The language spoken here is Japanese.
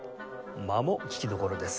間も聴きどころです。